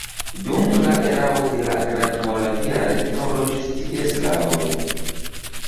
Dum la erao de la Grandmoravia Regno loĝis tie slavoj.